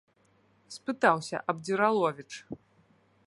— спытаўся Абдзіраловіч.